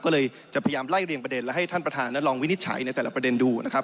ก็เลยจะพยายามไล่เรียงประเด็นและให้ท่านประธานนั้นลองวินิจฉัยในแต่ละประเด็นดูนะครับ